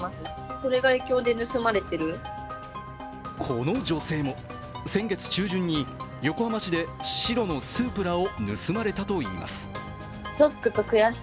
この女性も先月中旬に横浜市で白のスープラを盗まれたといいます。